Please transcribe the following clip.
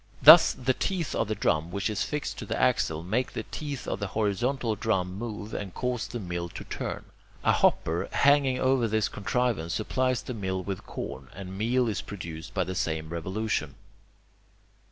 Thus the teeth of the drum which is fixed to the axle make the teeth of the horizontal drum move, and cause the mill to turn. A hopper, hanging over this contrivance, supplies the mill with corn, and meal is produced by the same revolution.